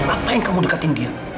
apa yang kamu dekatin dia